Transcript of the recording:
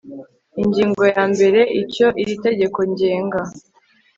ingingo ya mbere icyo iri tegeko ngenga